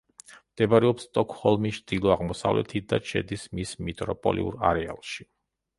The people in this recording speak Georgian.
მდებარეობს სტოკჰოლმის ჩრდილო-აღმოსავლეთით და შედის მის მეტროპოლიურ არეალში.